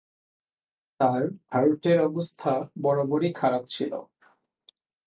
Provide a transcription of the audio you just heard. তার হার্টের অবস্থা বরাবরই খারাপ ছিল।